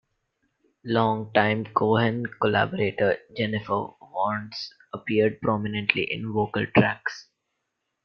Long-time Cohen collaborator Jennifer Warnes appeared prominently in vocal tracks.